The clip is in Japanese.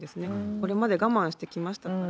これまで我慢してきましたから。